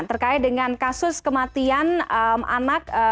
terkait dengan kasus kematian anak